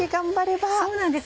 そうなんです。